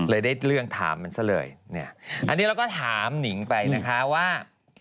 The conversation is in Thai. ได้เรื่องถามมันซะเลยเนี่ยอันนี้เราก็ถามหนิงไปนะคะว่า